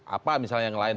apa misalnya yang lain